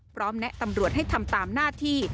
แนะตำรวจให้ทำตามหน้าที่